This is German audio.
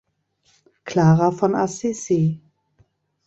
Klara von Assisi.